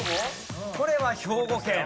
これは兵庫県。